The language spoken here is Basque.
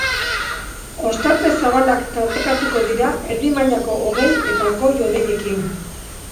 Ostarte zabalak tartekatuko dira erdi mailako hodei eta goi-hodeiekin.